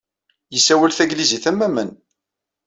Yessawal tanglizit am waman.